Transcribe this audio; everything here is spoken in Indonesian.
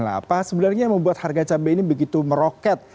nah apa sebenarnya yang membuat harga cabai ini begitu meroket